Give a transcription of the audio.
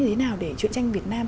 như thế nào để chuyện tranh việt nam